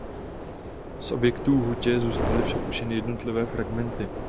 Z objektů hutě zůstaly však už jen jednotlivé fragmenty.